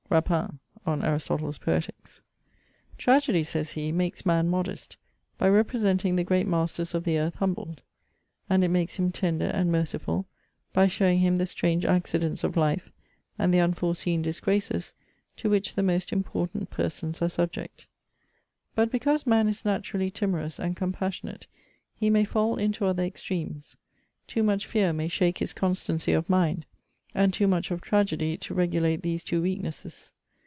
* Rapin, on Aristotle's Poetics. 'Tragedy,' says he, makes man modest, by representing the great masters of the earth humbled; and it makes him tender and merciful, by showing him the strange accidents of life, and the unforeseen disgraces, to which the most important persons are subject. 'But because man is naturally timorous and compassionate, he may fall into other extremes. Too much fear may shake his constancy of mind, and too much of tragedy to regulate these two weaknesses.